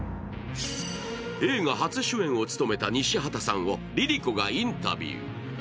映画初主演を務めた西畑さんをＬｉＬｉＣｏがインタビュー。